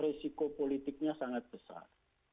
risiko politiknya sangat besar